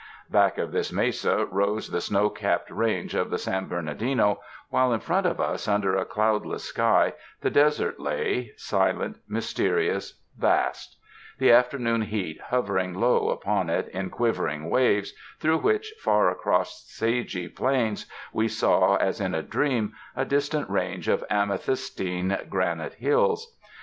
Back of this mesa rose the snow capped range of the San Bernardino, while in front of us, under a cloudless sky, the desert lay, silent, mys terious, vast — the afternoon heat hovering low upon it in quivering waves, through which far across sagey plains we saw as in a dream a distant range of amethystine granite hills.